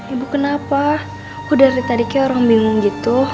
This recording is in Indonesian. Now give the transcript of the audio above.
ibu kenapa aku dari tadi kayak orang bingung gitu